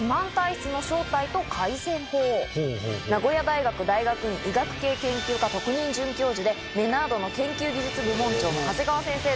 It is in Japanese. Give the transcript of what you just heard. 名古屋大学大学院医学系研究科特任准教授でメナードの研究技術部門長長谷川先生です。